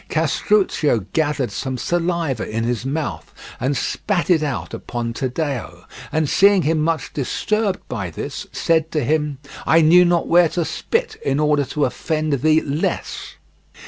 Castruccio gathered some saliva in his mouth and spat it out upon Taddeo, and seeing him much disturbed by this, said to him: "I knew not where to spit in order to offend thee less."